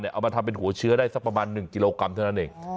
เอามาทำเป็นหัวเชื้อได้สักประมาณ๑กิโลกรัมเท่านั้นเอง